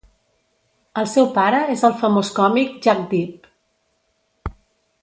El seu pare és el famós còmic Jagdeep.